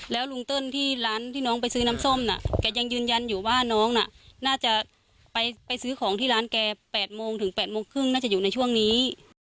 แล้วลุงเติ้ลที่ร้านที่น้องไปซื้อน้ำส้มน่ะแกยังยืนยันอยู่ว่าน้องน่ะน่าจะไปซื้อของที่ร้านแก๘โมงถึง๘โมงครึ่งน่าจะอยู่ในช่วงนี้